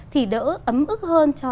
thì đỡ ấm ức hơn cho